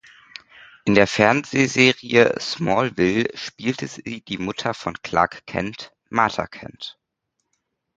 In der Fernsehserie "Smallville" spielte sie die Mutter von Clark Kent, Martha Kent.